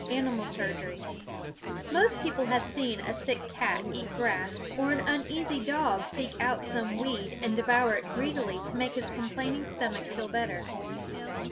ANIMAL SURGERY Most people have seen a sick cat eat grass, or an uneasy dog seek out some weed and devour it greedily to make his complaining stomach feel better.